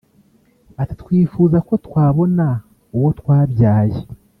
Ati”Twifuza ko twabona uwo twabyaye